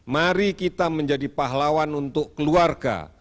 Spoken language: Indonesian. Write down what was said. mari kita menjadi pahlawan untuk keluarga